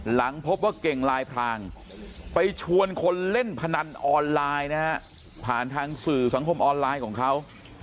หลังพบว่าเก่งลายพรางไปชวนคนเล่นพนันออนไลน์นะฮะผ่านทางสื่อสังคมออนไลน์ของเขา